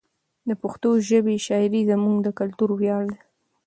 د پښتو ژبې شاعري زموږ د کلتور ویاړ ده.